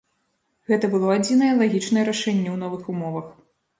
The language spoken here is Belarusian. Гэта было адзінае лагічнае рашэнне ў новых умовах.